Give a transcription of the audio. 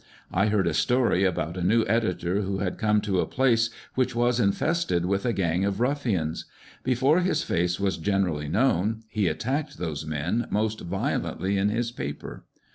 I heard a story about a new editor who had come to a place which was infested with a gang of ruffians. Before his face was generally known, he attacked those men most violently in his paper.